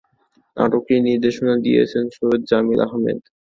নাটকটি নির্দেশনা দিয়েছেন সৈয়দ জামিল আহমেদ।